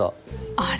あれ⁉